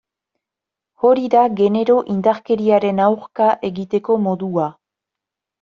Hori da genero indarkeriaren aurka egiteko modua.